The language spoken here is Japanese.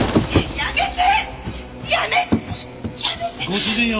やめて！